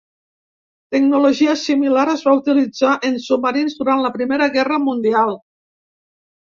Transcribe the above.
Tecnologia similar es va utilitzar en submarins durant la Primera Guerra Mundial.